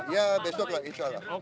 ya besok lah insya allah